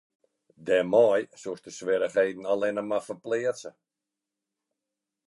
Dêrmei soest de swierrichheden allinne mar ferpleatse.